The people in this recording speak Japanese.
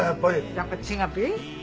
・やっぱ違うべ？